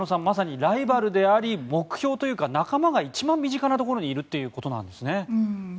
まさにライバルであり目標というか仲間が一番身近なところにいるということなんですかね。